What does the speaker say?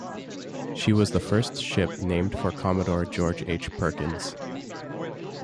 She was the first ship named for Commodore George H. Perkins.